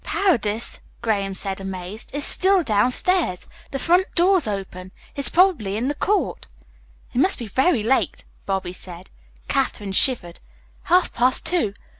"Paredes," Graham said, amazed, "is still downstairs. The front door's open. He's probably in the court." "It must be very late," Bobby said. Katherine shivered. "Half past two.